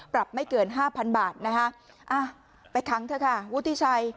ปรับไม่เกิน๕๐๐๐บาทนะฮะไปทั้งเถอะค่ะวุฒิชัย